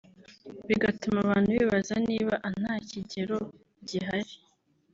Bigatuma abantu bibaza nib anta kigero gihari